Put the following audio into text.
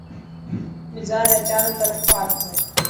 مزار ري چارو ترف پارڪ هي.